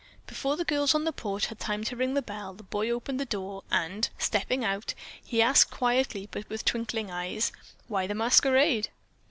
Before the girls on the porch had time to ring the bell, the boy opened the door and, stepping out, he asked quietly but with twinkling eyes: "Why the masquerade?"